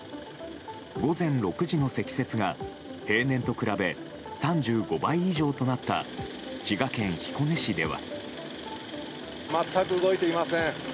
午前６時の積雪が平年と比べ３５倍以上となった滋賀県彦根市では。